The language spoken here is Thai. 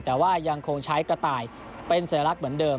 แต่ว่ายังคงใช้กระต่ายเป็นสัญลักษณ์เหมือนเดิม